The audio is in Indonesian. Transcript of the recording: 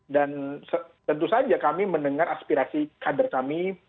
dan tentu saja kami mendengar aspirasi kader kami